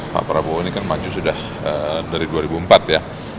pak prabowo ini kan maju sudah dari dua ribu empat ya